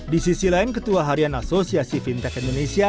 di sisi lain ketua harian asosiasi fintech indonesia